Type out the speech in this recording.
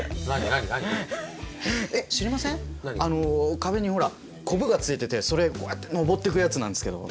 壁にほらコブがついててそれこうやって登ってくやつなんですけど。